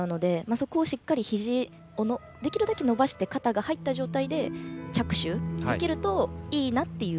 そこをしっかり、ひじをできるだけ伸ばして肩が入った状態で着手できるといいなっていう。